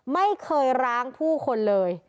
ไม่เคยร้างผู้คนเลย